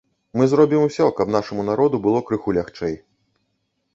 Мы зробім усё, каб нашаму народу было крыху лягчэй.